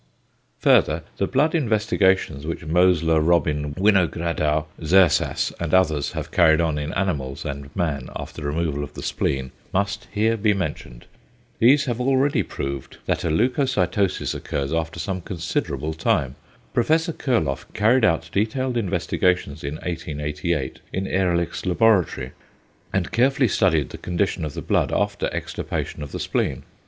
Further, the blood investigations which Mosler, Robin, Winogradow, Zersas and others have carried on in animals and man after removal of the spleen must here be mentioned. These have already proved that a leucocytosis occurs after some considerable time. Prof. Kurloff carried out detailed investigations in 1888 in Ehrlich's laboratory, and carefully studied the condition of the blood after extirpation of the spleen.